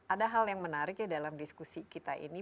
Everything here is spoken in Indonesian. ada hal yang menarik ya dalam diskusi kita ini